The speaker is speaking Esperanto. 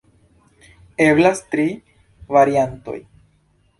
Eblas tri variantoj.